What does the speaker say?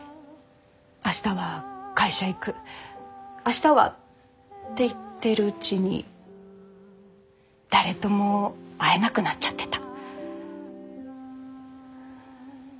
明日は会社行く明日はって言ってるうちに誰とも会えなくなっちゃってた。